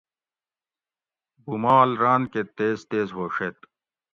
بومال ران کہ تیز تیز ھوڛیت